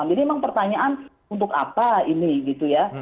memang pertanyaan untuk apa ini gitu ya